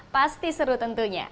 pasti seru tentunya